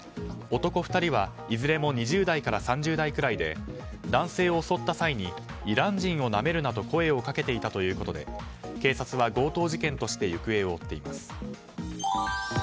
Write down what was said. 男２人はいずれも２０代から３０代くらいで男性を襲った際にイラン人をなめるなと声をかけていたということで警察は強盗事件として行方を追っています。